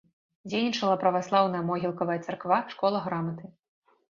Дзейнічала праваслаўная могілкавая царква, школа граматы.